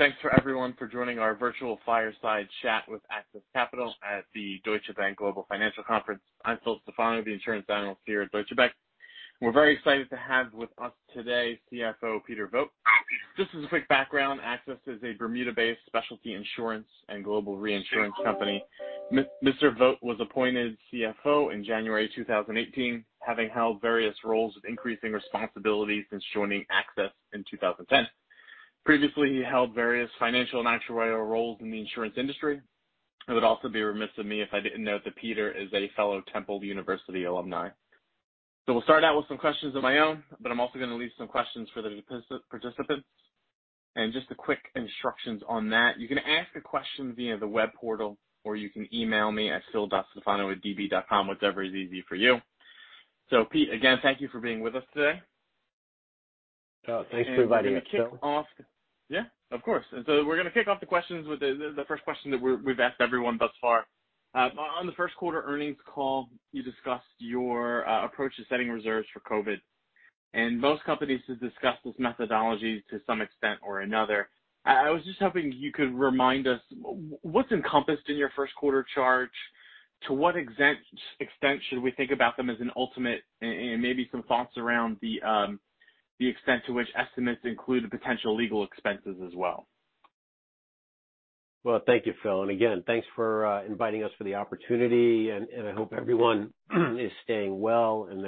Great, thanks for everyone for joining our virtual fireside chat with AXIS Capital at the Deutsche Bank Global Financial Services Conference. I'm Phil Stefano, the insurance analyst here at Deutsche Bank. We're very excited to have with us today CFO Peter Vogt. Just as a quick background, AXIS is a Bermuda-based specialty insurance and global reinsurance company. Mr. Vogt was appointed CFO in January 2018, having held various roles of increasing responsibility since joining AXIS in 2010. Previously, he held various financial and actuarial roles in the insurance industry. It would also be remiss of me if I didn't note that Peter is a fellow Temple University alumni. We'll start out with some questions of my own, but I'm also going to leave some questions for the participants. Just a quick instructions on that. You can ask a question via the web portal, or you can email me at phil.stefano@db.com, whichever is easy for you. Pete, again, thank you for being with us today. Thanks for inviting me, Phil. Of course. We're going to kick off the questions with the first question that we've asked everyone thus far. On the first quarter earnings call, you discussed your approach to setting reserves for COVID, most companies have discussed this methodology to some extent or another. I was just hoping you could remind us what's encompassed in your first quarter charge, to what extent should we think about them as an ultimate, and maybe some thoughts around the extent to which estimates include the potential legal expenses as well. Well, thank you, Phil. Again, thanks for inviting us for the opportunity, and I hope everyone is staying well and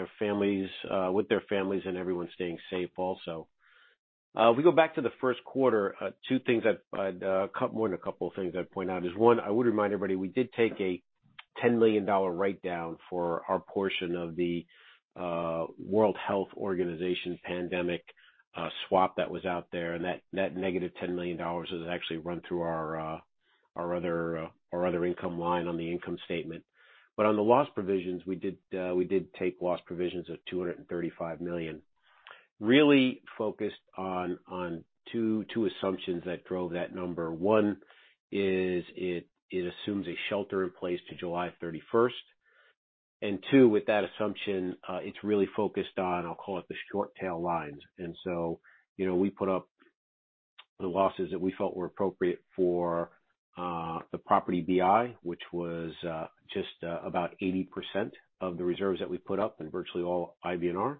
with their families and everyone's staying safe also. If we go back to the first quarter, more than a couple of things I'd point out is, one, I would remind everybody we did take a $10 million write-down for our portion of the World Health Organization Pandemic Agreement that was out there, and that negative $10 million does actually run through our other income line on the income statement. On the loss provisions, we did take loss provisions of $235 million. Really focused on two assumptions that drove that number. One is it assumes a shelter in place to July 31st. Two, with that assumption, it's really focused on, I'll call it the short tail lines. We put up the losses that we felt were appropriate for the Property BI, which was just about 80% of the reserves that we put up and virtually all IBNR.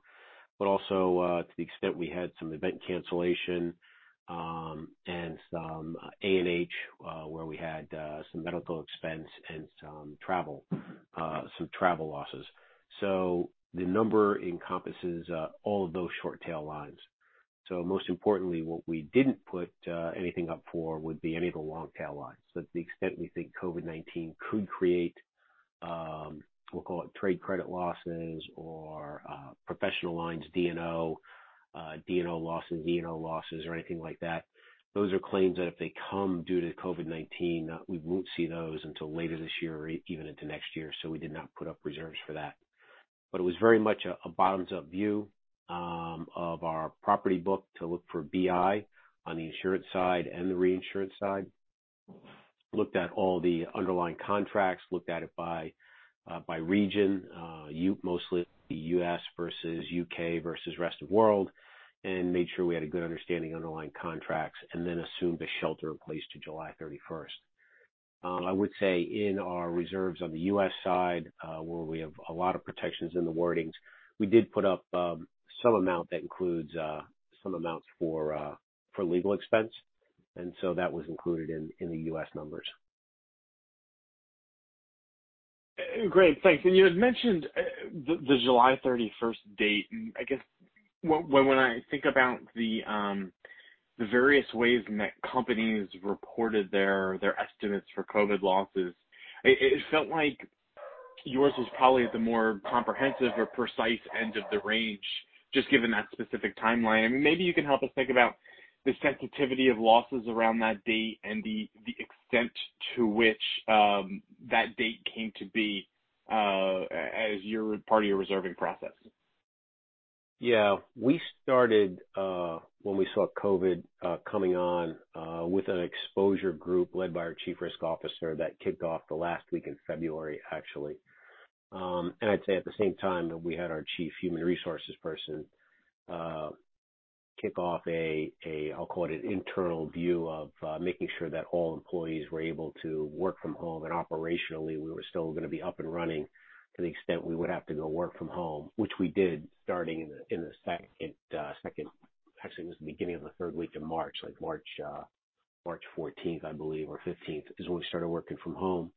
Also, to the extent we had some event cancellation and some A&H where we had some medical expense and some travel losses. The number encompasses all of those short tail lines. Most importantly, what we didn't put anything up for would be any of the long tail lines. To the extent we think COVID-19 could create, we'll call it trade credit losses or professional lines, D&O losses or anything like that, those are claims that if they come due to COVID-19, we won't see those until later this year or even into next year. We did not put up reserves for that. It was very much a bottoms up view of our property book to look for BI on the insurance side and the reinsurance side. Looked at all the underlying contracts, looked at it by region, mostly the U.S. versus U.K. versus rest of world, and made sure we had a good understanding of underlying contracts and then assumed a shelter in place to July 31st. I would say in our reserves on the U.S. side, where we have a lot of protections in the wordings, we did put up some amount that includes some amounts for legal expense, that was included in the U.S. numbers. Great, thanks. You had mentioned the July 31st date, and I guess when I think about the various ways in that companies reported their estimates for COVID losses, it felt like yours was probably at the more comprehensive or precise end of the range, just given that specific timeline. Maybe you can help us think about the sensitivity of losses around that date and the extent to which that date came to be as part of your reserving process. Yeah. We started when we saw COVID-19 coming on with an exposure group led by our Chief Risk Officer that kicked off the last week in February, actually. I'd say at the same time, we had our Chief Human Resources Person kick off a, I'll call it an internal view of making sure that all employees were able to work from home and operationally, we were still going to be up and running to the extent we would have to go work from home, which we did starting in the second, actually, it was the beginning of the third week of March, like March 14th, I believe, or 15th, is when we started working from home.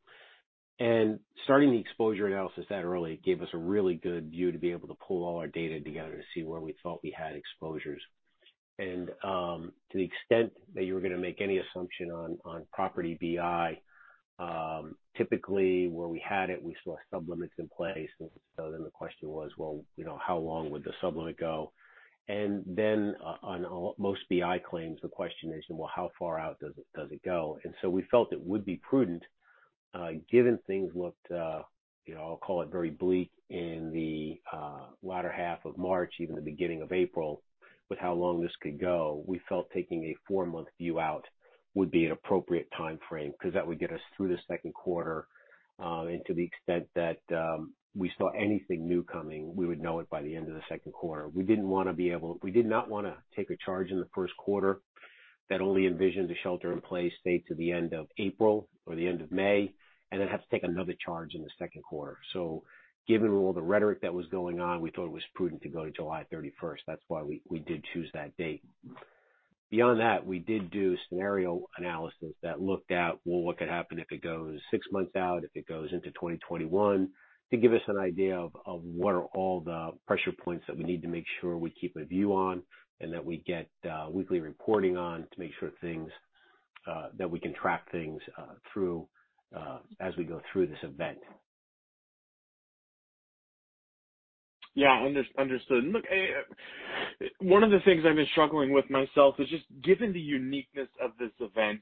Starting the exposure analysis that early gave us a really good view to be able to pull all our data together to see where we thought we had exposures. To the extent that you were going to make any assumption on Property BI, typically where we had it, we saw sub-limits in place. The question was, well, how long would the sub-limit go? On most BI claims, the question is, well, how far out does it go? We felt it would be prudent, given things looked, I'll call it very bleak in the latter half of March, even the beginning of April, with how long this could go, we felt taking a four-month view out would be an appropriate timeframe because that would get us through the second quarter, to the extent that we saw anything new coming, we would know it by the end of the second quarter. We did not want to take a charge in the first quarter that only envisioned a shelter in place stay to the end of April or the end of May, then have to take another charge in the second quarter. Given all the rhetoric that was going on, we thought it was prudent to go to July 31st. That's why we did choose that date. Beyond that, we did do scenario analysis that looked at, well, what could happen if it goes six months out, if it goes into 2021, to give us an idea of what are all the pressure points that we need to make sure we keep a view on, and that we get weekly reporting on to make sure that we can track things through as we go through this event. Yeah. Understood. Look, one of the things I've been struggling with myself is just given the uniqueness of this event,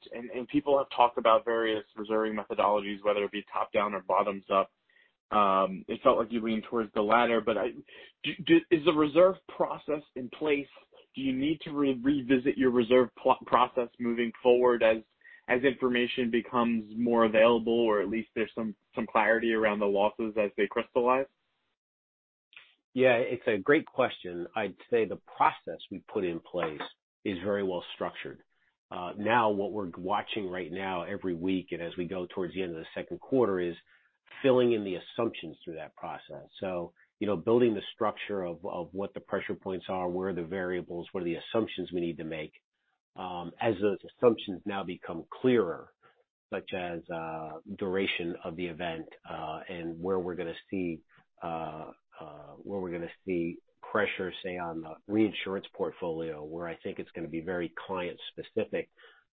people have talked about various reserving methodologies, whether it be top-down or bottoms-up, it felt like you leaned towards the latter. Is the reserve process in place? Do you need to revisit your reserve process moving forward as information becomes more available, or at least there's some clarity around the losses as they crystallize? Yeah, it's a great question. I'd say the process we put in place is very well structured. What we're watching right now every week and as we go towards the end of the second quarter, is filling in the assumptions through that process. Building the structure of what the pressure points are, where are the variables, what are the assumptions we need to make. As those assumptions now become clearer, such as duration of the event, and where we're going to see pressure, say, on the reinsurance portfolio, where I think it's going to be very client specific.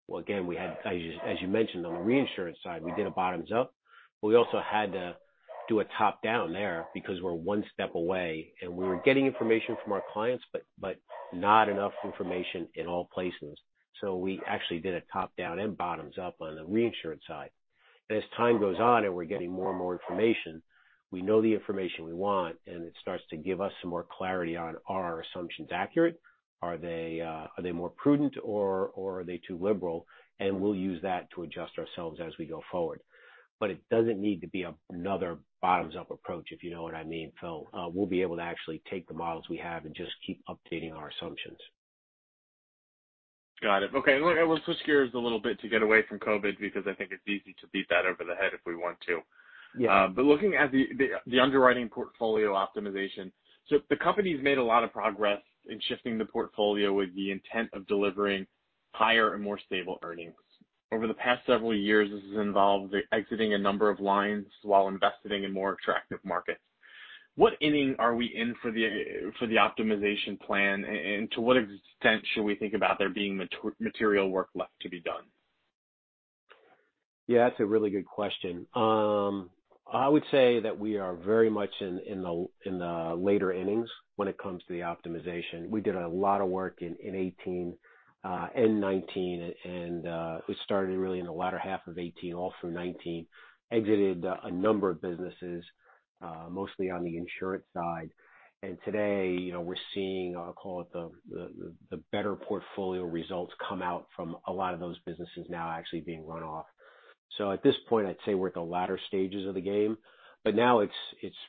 Well, again, as you mentioned, on the reinsurance side, we did a bottoms-up, but we also had to do a top-down there because we're one step away, and we were getting information from our clients, but not enough information in all places. We actually did a top-down and bottoms-up on the reinsurance side. As time goes on and we're getting more and more information, we know the information we want, and it starts to give us some more clarity on are our assumptions accurate? Are they more prudent or are they too liberal? We'll use that to adjust ourselves as we go forward. It doesn't need to be another bottoms-up approach, if you know what I mean, Phil. We'll be able to actually take the models we have and just keep updating our assumptions. Got it. Okay. I want to switch gears a little bit to get away from COVID, because I think it's easy to beat that over the head if we want to. Yeah. Looking at the underwriting portfolio optimization. The company's made a lot of progress in shifting the portfolio with the intent of delivering higher and more stable earnings. Over the past several years, this has involved exiting a number of lines while investing in more attractive markets. What inning are we in for the optimization plan, and to what extent should we think about there being material work left to be done? Yeah, that's a really good question. I would say that we are very much in the later innings when it comes to the optimization. We did a lot of work in 2018 and 2019, we started really in the latter half of 2018, all through 2019. Exited a number of businesses, mostly on the insurance side. Today we're seeing, I'll call it the better portfolio results come out from a lot of those businesses now actually being run off. At this point, I'd say we're at the latter stages of the game, but now it's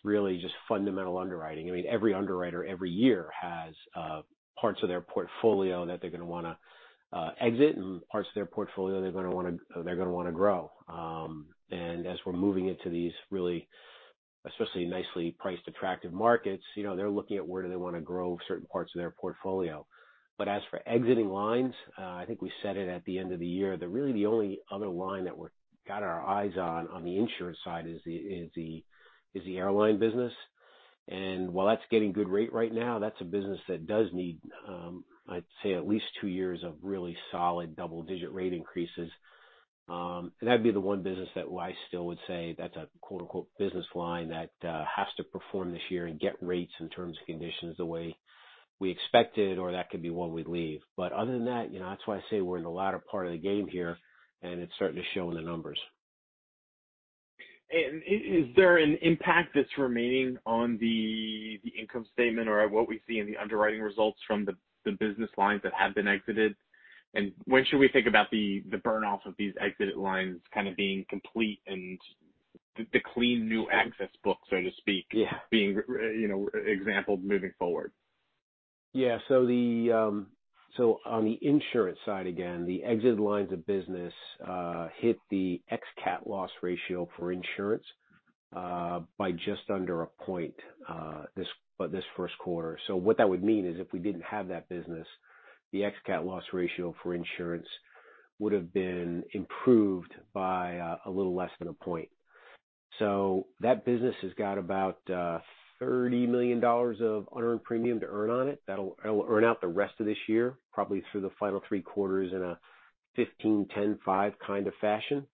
really just fundamental underwriting. Every underwriter every year has parts of their portfolio that they're going to want to exit and parts of their portfolio they're going to want to grow. As we're moving into these really especially nicely priced, attractive markets, they're looking at where do they want to grow certain parts of their portfolio. As for exiting lines, I think we said it at the end of the year, that really the only other line that we've got our eyes on the insurance side, is the airline business. While that's getting good rate right now, that's a business that does need, I'd say, at least two years of really solid double-digit rate increases. That'd be the one business that I still would say that's a "business line" that has to perform this year and get rates and terms and conditions the way we expected, or that could be one we leave. Other than that's why I say we're in the latter part of the game here, and it's starting to show in the numbers. Is there an impact that's remaining on the income statement or what we see in the underwriting results from the business lines that have been exited? When should we think about the burn-off of these exited lines kind of being complete and the clean new excess book, so to speak? Yeah being exampled moving forward? On the insurance side, again, the exited lines of business hit the ex cat loss ratio for insurance by just under a point this first quarter. What that would mean is if we didn't have that business, the ex cat loss ratio for insurance would've been improved by a little less than a point. That business has got about $30 million of unearned premium to earn on it. That'll earn out the rest of this year, probably through the final three quarters in a 15, 10, 5 kind of fashion.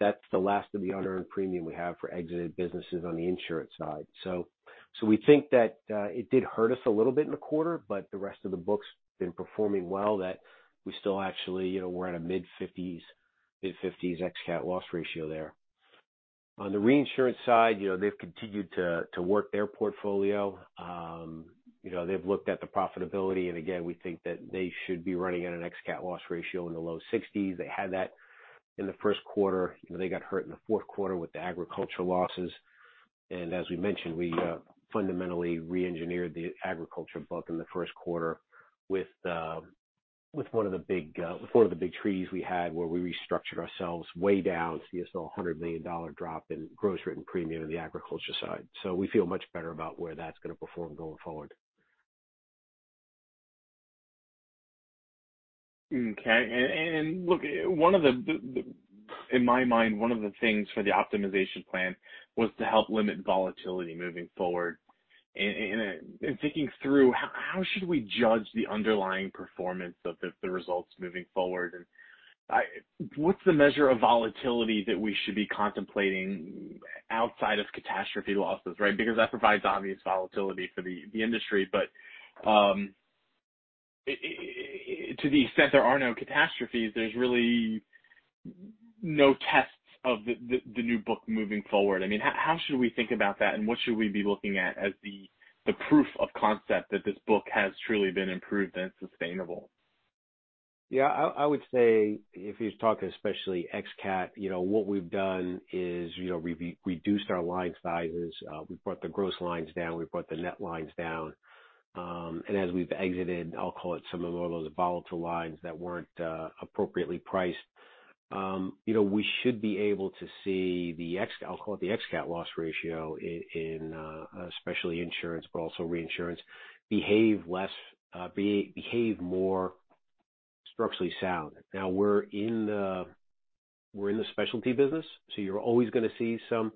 That's the last of the unearned premium we have for exited businesses on the insurance side. We think that it did hurt us a little bit in the quarter, but the rest of the book's been performing well. We still actually, we're at a mid-50s ex cat loss ratio there. On the reinsurance side, they've continued to work their portfolio. They've looked at the profitability. Again, we think that they should be running at an ex cat loss ratio in the low 60s. They had that in the first quarter. They got hurt in the fourth quarter with the agriculture losses. As we mentioned, we fundamentally re-engineered the agriculture book in the first quarter with one of the big treaties we had where we restructured ourselves way down. You saw a $100 million drop in gross written premium in the agriculture side. We feel much better about where that's going to perform going forward. Okay. Look, in my mind, one of the things for the optimization plan was to help limit volatility moving forward. In thinking through, how should we judge the underlying performance of the results moving forward? What's the measure of volatility that we should be contemplating outside of catastrophe losses, right? That provides obvious volatility for the industry. To the extent there are no catastrophes, there's really no tests of the new book moving forward. How should we think about that, and what should we be looking at as the proof of concept that this book has truly been improved and sustainable? I would say if you're talking especially ex-cat, what we've done is we've reduced our line sizes. We've brought the gross lines down, we've brought the net lines down. As we've exited, I'll call it, some of those volatile lines that weren't appropriately priced, we should be able to see the, I'll call it the ex-cat loss ratio in specialty insurance, but also reinsurance, behave more structurally sound. Now we're in the specialty business, so you're always going to see some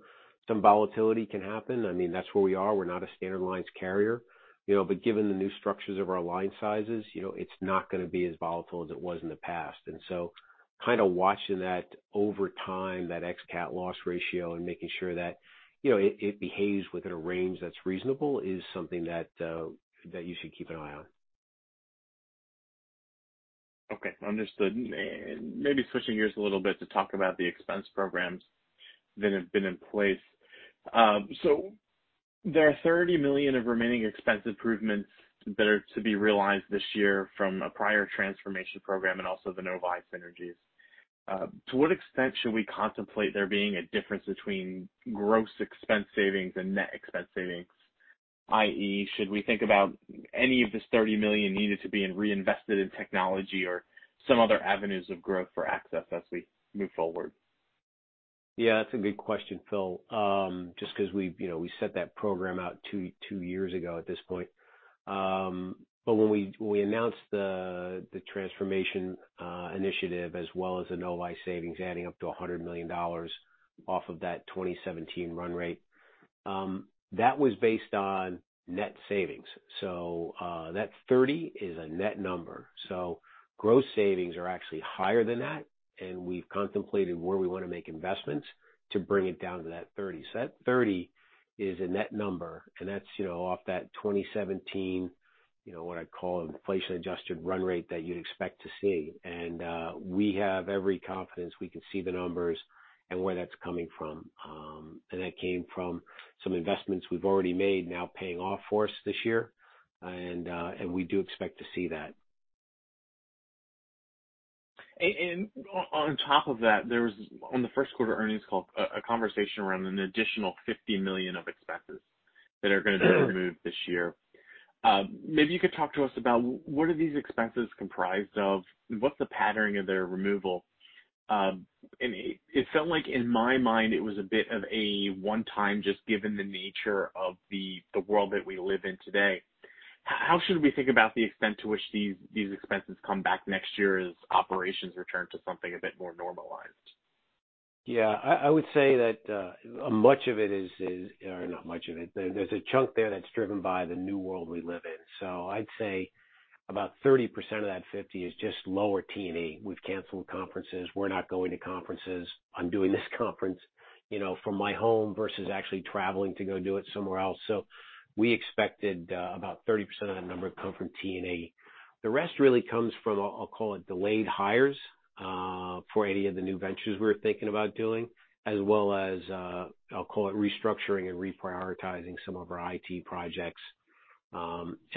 volatility can happen. That's where we are. We're not a standard lines carrier. Given the new structures of our line sizes, it's not going to be as volatile as it was in the past. Kind of watching that over time, that ex-cat loss ratio, and making sure that it behaves within a range that's reasonable is something that you should keep an eye on. Okay, understood. Maybe switching gears a little bit to talk about the expense programs that have been in place. There are $30 million of remaining expense improvements that are to be realized this year from a prior transformation program and also the NOI synergies. To what extent should we contemplate there being a difference between gross expense savings and net expense savings, i.e., should we think about any of this $30 million needed to be reinvested in technology or some other avenues of growth for AXIS as we move forward? That's a good question, Phil. Just because we set that program out two years ago at this point. When we announced the transformation initiative as well as the NOI savings adding up to $100 million off of that 2017 run rate, that was based on net savings. That $30 is a net number. Gross savings are actually higher than that, and we've contemplated where we want to make investments to bring it down to that $30. That $30 is a net number, and that's off that 2017, what I'd call an inflation-adjusted run rate that you'd expect to see. We have every confidence we can see the numbers and where that's coming from. That came from some investments we've already made now paying off for us this year, and we do expect to see that. On top of that, there was on the first quarter earnings call, a conversation around an additional $50 million of expenses that are going to be removed this year. Maybe you could talk to us about what are these expenses comprised of? What's the patterning of their removal? It felt like in my mind it was a bit of a one-time, just given the nature of the world that we live in today. How should we think about the extent to which these expenses come back next year as operations return to something a bit more normalized? I would say that there's a chunk there that's driven by the new world we live in. I'd say about 30% of that $50 is just lower T&E. We've canceled conferences. We're not going to conferences. I'm doing this conference from my home versus actually traveling to go do it somewhere else. We expected about 30% of that number to come from T&E. The rest really comes from, I'll call it delayed hires, for any of the new ventures we're thinking about doing, as well as, I'll call it restructuring and reprioritizing some of our IT projects.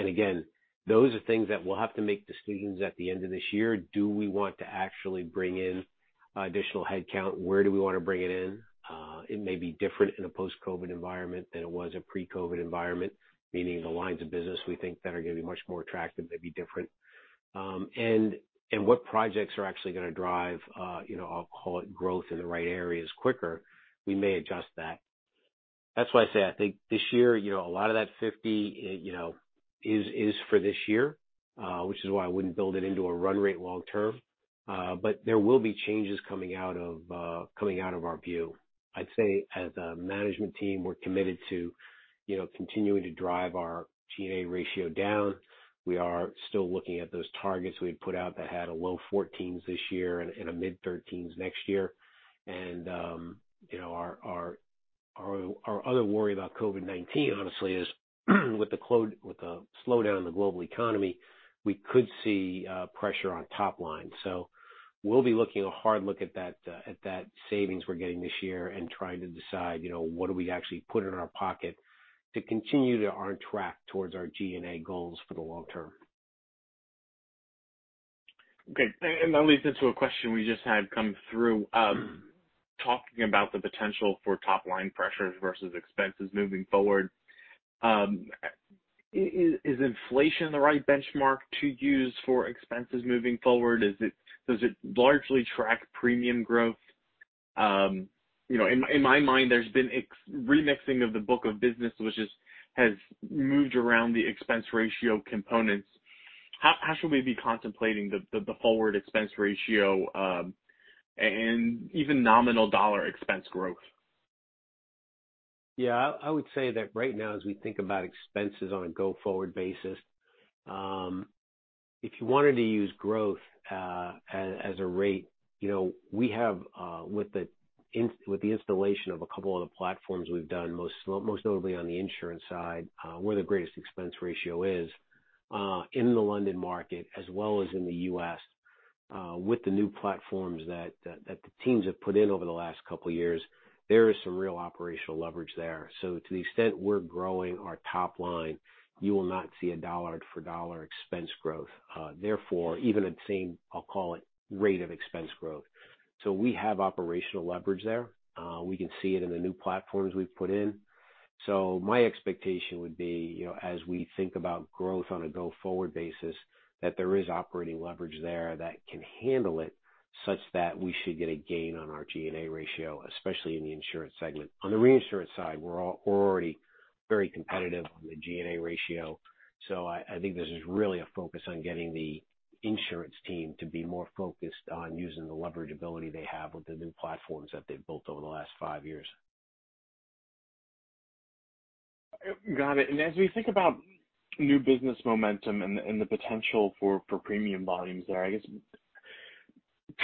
Again, those are things that we'll have to make decisions at the end of this year. Do we want to actually bring in additional headcount? Where do we want to bring it in? It may be different in a post-COVID environment than it was a pre-COVID environment, meaning the lines of business we think that are going to be much more attractive may be different. What projects are actually going to drive, I'll call it growth in the right areas quicker, we may adjust that. That's why I say I think this year, a lot of that $50 is for this year, which is why I wouldn't build it into a run rate long term. There will be changes coming out of our view. I'd say as a management team, we're committed to continuing to drive our T&E ratio down. We are still looking at those targets we had put out that had a low 14s this year and a mid 13s next year. Our other worry about COVID-19, honestly, is with the slowdown in the global economy, we could see pressure on top-line. We'll be looking a hard look at that savings we're getting this year and trying to decide what do we actually put in our pocket to continue to earn track towards our G&A goals for the long term. That leads into a question we just had come through, talking about the potential for top-line pressures versus expenses moving forward. Is inflation the right benchmark to use for expenses moving forward? Does it largely track premium growth? In my mind, there's been a remixing of the book of business, which has moved around the expense ratio components. How should we be contemplating the forward expense ratio, and even nominal dollar expense growth? Yeah. I would say that right now, as we think about expenses on a go-forward basis, if you wanted to use growth as a rate, we have with the installation of a couple of the platforms we've done, most notably on the insurance side, where the greatest expense ratio is in the London market as well as in the U.S. with the new platforms that the teams have put in over the last couple of years, there is some real operational leverage there. To the extent we're growing our top line, you will not see a $1 for $1 expense growth. Therefore, even at same, I'll call it rate of expense growth. We have operational leverage there. We can see it in the new platforms we've put in. My expectation would be, as we think about growth on a go-forward basis, that there is operating leverage there that can handle it such that we should get a gain on our G&A ratio, especially in the insurance segment. On the reinsurance side, we're already very competitive on the G&A ratio. I think this is really a focus on getting the insurance team to be more focused on using the leverage ability they have with the new platforms that they've built over the last five years. Got it. As we think about new business momentum and the potential for premium volumes there, I guess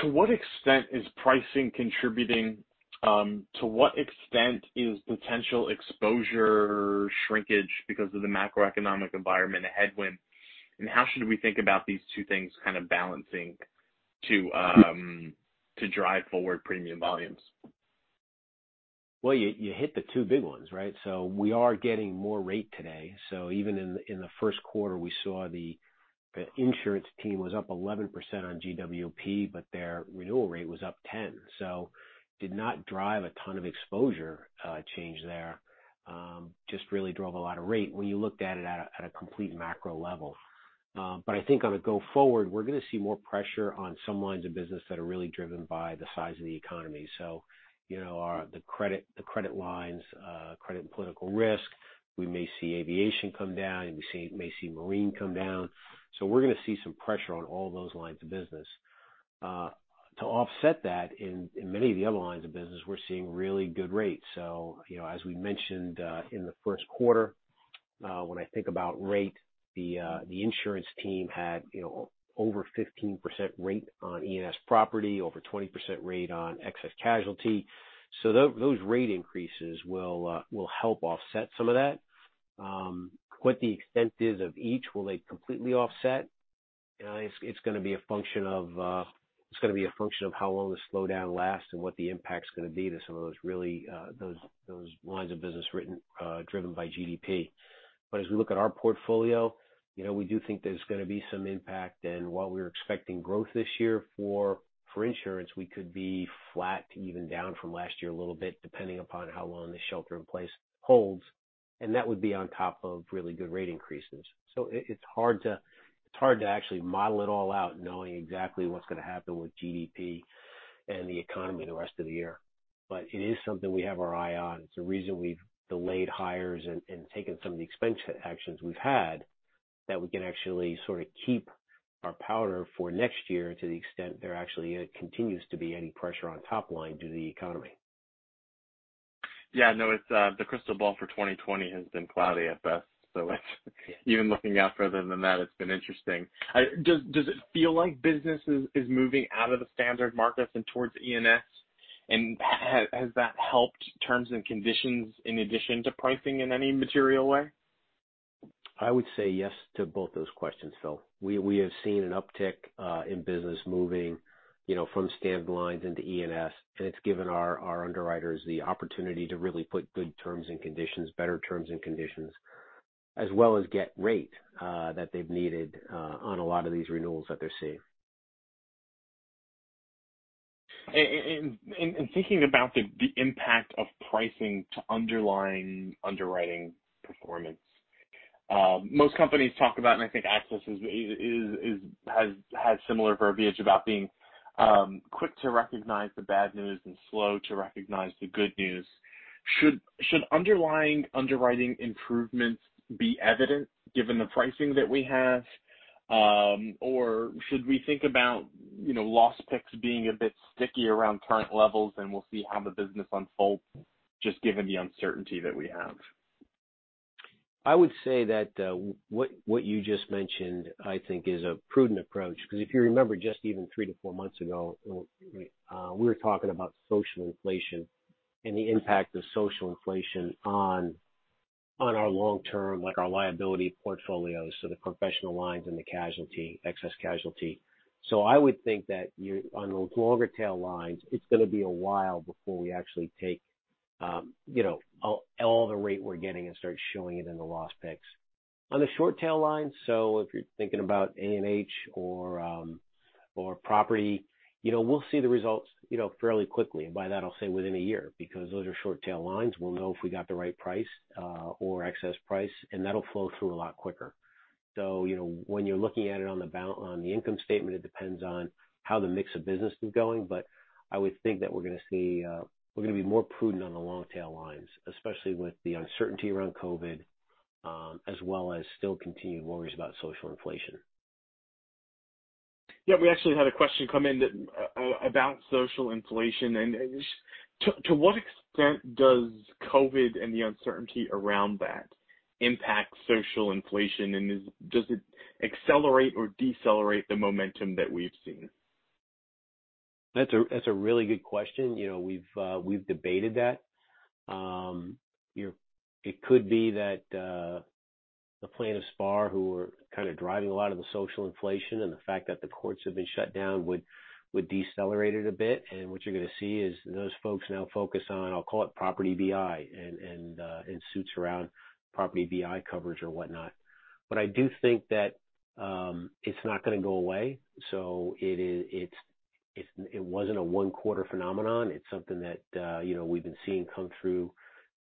to what extent is pricing contributing? To what extent is potential exposure shrinkage because of the macroeconomic environment a headwind? How should we think about these two things kind of balancing to drive forward premium volumes? Well, you hit the two big ones, right? We are getting more rate today. Even in the first quarter, we saw the insurance team was up 11% on GWP, but their renewal rate was up 10%. Did not drive a ton of exposure change there, just really drove a lot of rate when you looked at it at a complete macro level. I think on a go-forward, we're going to see more pressure on some lines of business that are really driven by the size of the economy. The credit lines, Credit and Political Risk. We may see aviation come down. We may see marine come down. We're going to see some pressure on all those lines of business. To offset that, in many of the other lines of business, we're seeing really good rates. As we mentioned in the first quarter, when I think about rate, the insurance team had over 15% rate on E&S Property, over 20% rate on excess casualty. Those rate increases will help offset some of that. What the extent is of each, will they completely offset? It's going to be a function of how long the slowdown lasts and what the impact's going to be to some of those lines of business driven by GDP. As we look at our portfolio, we do think there's going to be some impact. While we're expecting growth this year for insurance, we could be flat to even down from last year a little bit, depending upon how long the shelter in place holds, and that would be on top of really good rate increases. It's hard to actually model it all out knowing exactly what's going to happen with GDP and the economy the rest of the year. It is something we have our eye on. It's the reason we've delayed hires and taken some of the expense actions we've had that we can actually sort of keep our powder for next year to the extent there actually continues to be any pressure on top line due to the economy. The crystal ball for 2020 has been cloudy, FS. It's even looking out further than that, it's been interesting. Does it feel like business is moving out of the standard markets and towards E&S? Has that helped terms and conditions in addition to pricing in any material way? I would say yes to both those questions, Phil. We have seen an uptick in business moving from standard lines into E&S, it's given our underwriters the opportunity to really put good terms and conditions, better terms and conditions, as well as get rate that they've needed on a lot of these renewals that they're seeing. In thinking about the impact of pricing to underlying underwriting performance, most companies talk about, and I think AXIS has similar verbiage about being quick to recognize the bad news and slow to recognize the good news. Should underlying underwriting improvements be evident given the pricing that we have? Or should we think about loss picks being a bit sticky around current levels, and we'll see how the business unfolds just given the uncertainty that we have? I would say that what you just mentioned, I think, is a prudent approach because if you remember just even three to four months ago, we were talking about social inflation and the impact of social inflation on our long-term liability portfolios, the professional lines and the excess casualty. I would think that on those longer tail lines, it's going to be a while before we actually take all the rate we're getting and start showing it in the loss picks. On the short tail lines, if you're thinking about A&H or property, we'll see the results fairly quickly, and by that, I'll say within a year, because those are short tail lines. We'll know if we got the right price or excess price, and that'll flow through a lot quicker. When you're looking at it on the income statement, it depends on how the mix of business is going. I would think that we're going to be more prudent on the long tail lines, especially with the uncertainty around COVID, as well as still continued worries about social inflation. Yeah, we actually had a question come in about social inflation. To what extent does COVID and the uncertainty around that impact social inflation? Does it accelerate or decelerate the momentum that we've seen? That's a really good question. We've debated that. It could be that the plaintiffs' bar who are kind of driving a lot of the social inflation and the fact that the courts have been shut down would decelerate it a bit. What you're going to see is those folks now focus on, I'll call it Property BI and suits around Property BI coverage or whatnot. I do think that it's not going to go away. It wasn't a one-quarter phenomenon. It's something that we've been seeing come through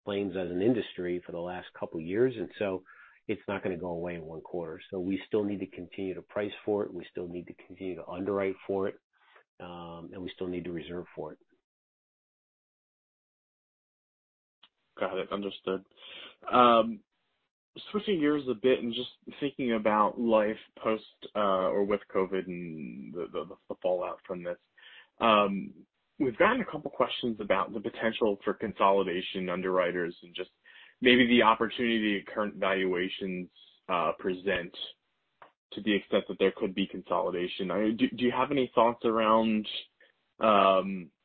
claims as an industry for the last couple of years, so it's not going to go away in one quarter. We still need to continue to price for it, we still need to continue to underwrite for it, and we still need to reserve for it. Got it. Understood. Switching gears a bit and just thinking about life post- or with COVID-19 and the fallout from this. We've gotten a couple of questions about the potential for consolidation underwriters and just maybe the opportunity current valuations present to the extent that there could be consolidation. Do you have any thoughts around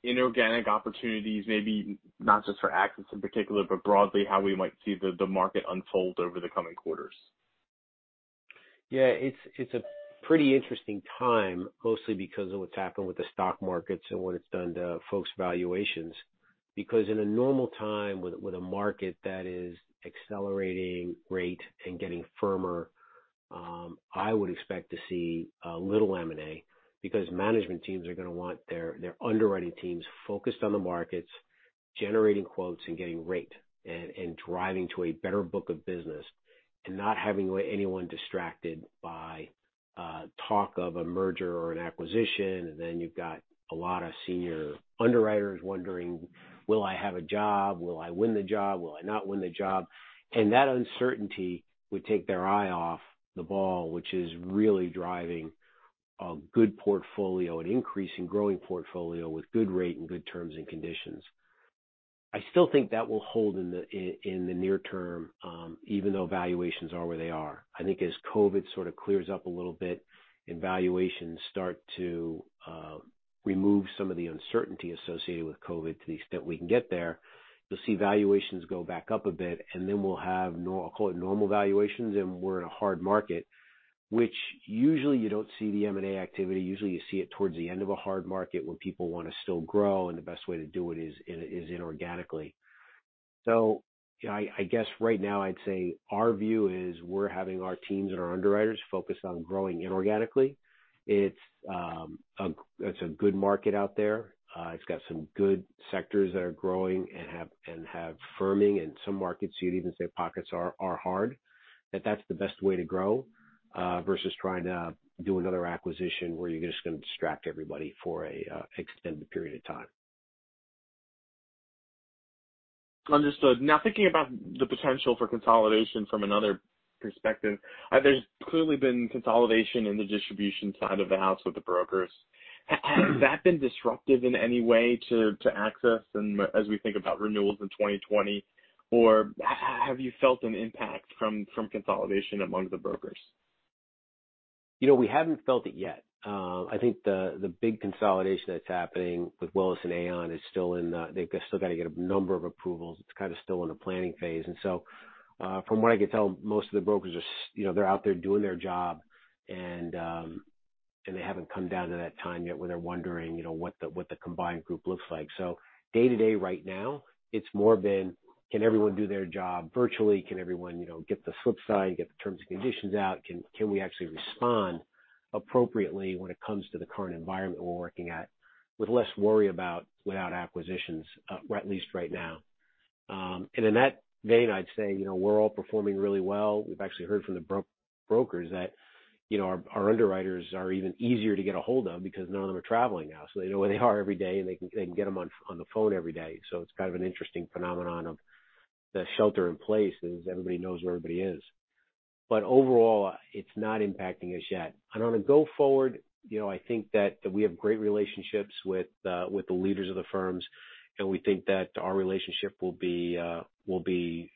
inorganic opportunities, maybe not just for AXIS in particular, but broadly how we might see the market unfold over the coming quarters? It's a pretty interesting time, mostly because of what's happened with the stock markets and what it's done to folks' valuations. Because in a normal time with a market that is accelerating rate and getting firmer, I would expect to see little M&A because management teams are going to want their underwriting teams focused on the markets, generating quotes, and getting rate, and driving to a better book of business, and not having anyone distracted by talk of a merger or an acquisition. You've got a lot of senior underwriters wondering, will I have a job? Will I win the job? Will I not win the job? That uncertainty would take their eye off the ball, which is really driving a good portfolio, an increasing growing portfolio with good rate and good terms and conditions. I still think that will hold in the near term, even though valuations are where they are. I think as COVID-19 sort of clears up a little bit and valuations start to remove some of the uncertainty associated with COVID-19, to the extent we can get there, you'll see valuations go back up a bit, we'll have, I'll call it normal valuations, we're in a hard market, which usually you don't see the M&A activity. Usually, you see it towards the end of a hard market when people want to still grow, the best way to do it is organically. I guess right now I'd say our view is we're having our teams and our underwriters focus on growing organically. It's a good market out there. It's got some good sectors that are growing and have firming, and some markets you'd even say pockets are hard. That's the best way to grow, versus trying to do another acquisition where you're just going to distract everybody for an extended period of time. Understood. Thinking about the potential for consolidation from another perspective, there's clearly been consolidation in the distribution side of the house with the brokers. Has that been disruptive in any way to AXIS as we think about renewals in 2020? Have you felt an impact from consolidation among the brokers? We haven't felt it yet. I think the big consolidation that's happening with Willis and Aon, they've still got to get a number of approvals. It's kind of still in the planning phase. From what I can tell, most of the brokers are out there doing their job, and they haven't come down to that time yet where they're wondering what the combined group looks like. Day-to-day right now, it's more been, can everyone do their job virtually? Can everyone get the flip side, get the terms and conditions out? Can we actually respond appropriately when it comes to the current environment we're working at with less worry about without acquisitions, or at least right now. In that vein, I'd say we're all performing really well. We've actually heard from the brokers that our underwriters are even easier to get a hold of because none of them are traveling now, so they know where they are every day, and they can get them on the phone every day. It's kind of an interesting phenomenon of the shelter in place is everybody knows where everybody is. Overall, it's not impacting us yet. On a go forward, I think that we have great relationships with the leaders of the firms, and we think that our relationship will be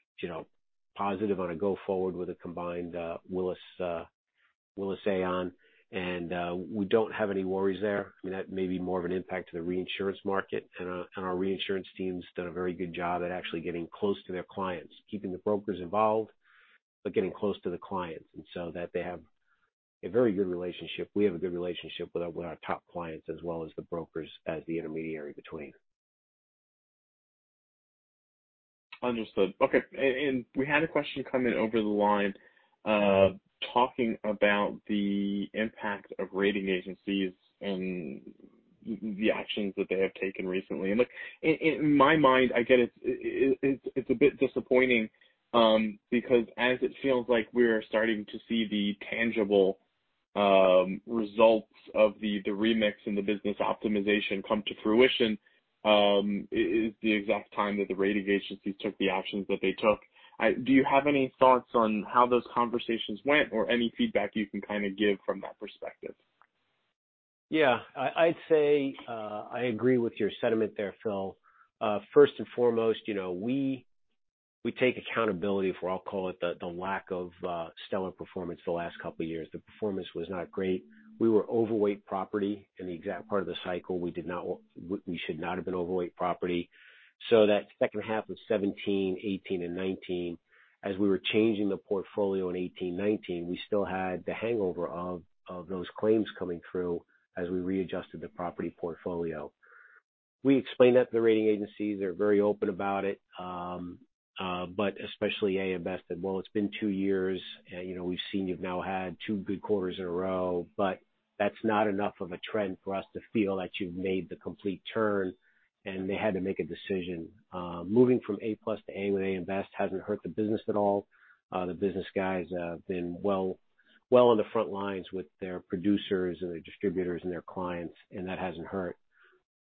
positive on a go forward with a combined Willis Aon. We don't have any worries there. That may be more of an impact to the reinsurance market, and our reinsurance team's done a very good job at actually getting close to their clients, keeping the brokers involved, but getting close to the clients, and so that they have a very good relationship. We have a good relationship with our top clients as well as the brokers as the intermediary between. Understood. Okay. We had a question come in over the line, talking about the impact of rating agencies and the actions that they have taken recently. Look, in my mind, again, it's a bit disappointing, because as it feels like we're starting to see the tangible results of the remix and the business optimization come to fruition, is the exact time that the rating agencies took the actions that they took. Do you have any thoughts on how those conversations went or any feedback you can give from that perspective? Yeah. I'd say I agree with your sentiment there, Phil. First and foremost, we take accountability for, I'll call it, the lack of stellar performance the last couple of years. The performance was not great. We were overweight property in the exact part of the cycle we should not have been overweight property. That second half of 2017, 2018, and 2019, as we were changing the portfolio in 2018, 2019, we still had the hangover of those claims coming through as we readjusted the property portfolio. We explained that to the rating agencies. They're very open about it. But especially AM Best said, "Well, it's been two years. We've seen you've now had two good quarters in a row, but that's not enough of a trend for us to feel that you've made the complete turn." They had to make a decision. Moving from A+ to A with AM Best hasn't hurt the business at all. The business guys have been well on the front lines with their producers and their distributors and their clients, and that hasn't hurt.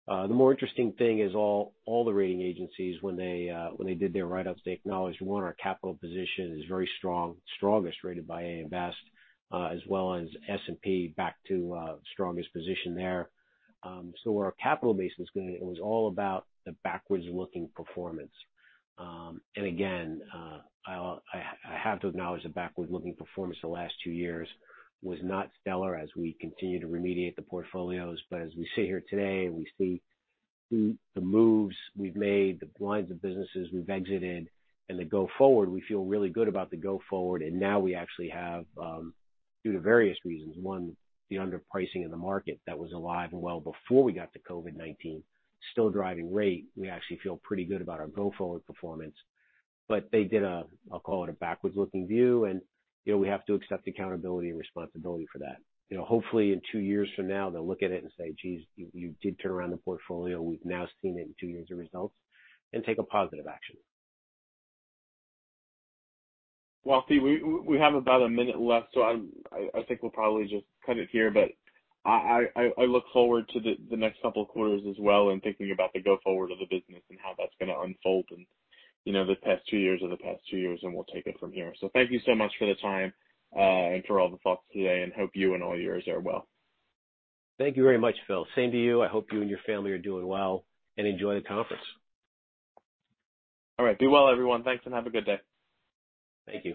The more interesting thing is all the rating agencies, when they did their write-ups, they acknowledged, one, our capital position is very strong, strongest rated by AM Best, as well as S&P back to strongest position there. Where our capital base was good, it was all about the backwards-looking performance. Again, I have to acknowledge the backward-looking performance the last two years was not stellar as we continue to remediate the portfolios. As we sit here today and we see the moves we've made, the lines of businesses we've exited and the go forward, we feel really good about the go forward. Now we actually have, due to various reasons, one, the underpricing of the market that was alive and well before we got to COVID-19, still driving rate. We actually feel pretty good about our go-forward performance. They did a, I'll call it, a backwards-looking view, and we have to accept accountability and responsibility for that. Hopefully, in two years from now, they'll look at it and say, "Jeez, you did turn around the portfolio. We've now seen it in two years of results," and take a positive action. Well, Pete, we have about one minute left, I think we'll probably just cut it here. I look forward to the next couple of quarters as well and thinking about the go forward of the business and how that's going to unfold in the past two years or the past two years, and we'll take it from here. Thank you so much for the time and for all the thoughts today, and hope you and all yours are well. Thank you very much, Phil. Same to you. I hope you and your family are doing well, and enjoy the conference. All right. Be well, everyone. Thanks, and have a good day. Thank you.